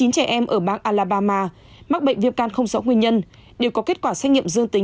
chín trẻ em ở bang alabama mắc bệnh viêm gan không rõ nguyên nhân đều có kết quả xét nghiệm dương tính